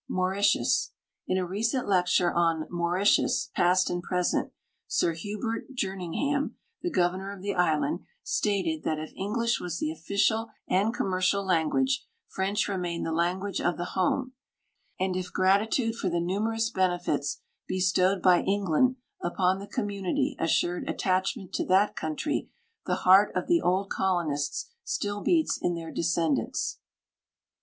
^Iauritius. In a recent lecture on " Mauritius, Past and Present," Sir • Hubert Jerningham, the governor of the island, stated that if English was the otficial and commercial language, French remained the language of the home, and if gratitude for the numerous benefits bestowed by England upon the community assured attachment to that country, the heart of the old colonists still beats in their descendants.